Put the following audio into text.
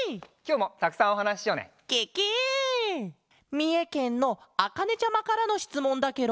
みえけんのあかねちゃまからのしつもんだケロ！